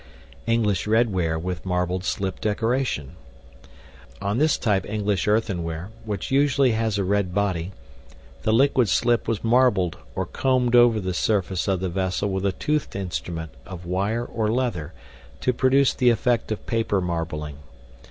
English Redware with Marbled Slip Decoration. On this type English earthenware, which usually has a red body, the liquid slip was marbled or combed over the surface of the vessel with a toothed instrument of wire or leather to produce the effect of paper marbling.